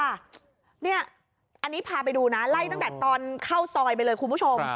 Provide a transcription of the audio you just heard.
อันนี้พาไปดูนะไล่ตั้งแต่ตอนเข้าซอยไปเลยคุณผู้ชม